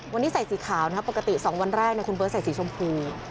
วันนี้ใส่สีขาวนะครับปกติ๒วันแรกคุณเบิร์ตใส่สีชมพู